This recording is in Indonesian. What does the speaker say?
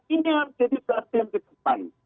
ini harus jadi prasen ke depan